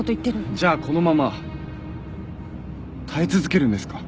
じゃあこのまま耐え続けるんですか？